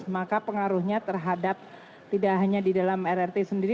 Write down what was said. maka pengaruhnya terhadap tidak hanya di dalam rrt sendiri